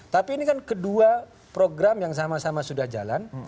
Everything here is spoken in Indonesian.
tapi ini kan kedua program yang sama sama sudah jalan